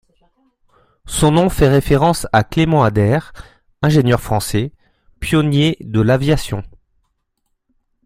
Son nom fait référence à Clément Ader, ingénieur français, pionnier de l'aviation.